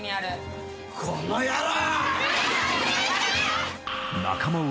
この野郎！